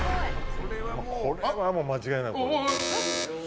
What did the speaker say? これは間違いなく×。